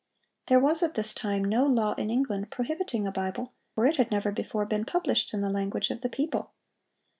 There was at this time no law in England prohibiting the Bible, for it had never before been published in the language of the people.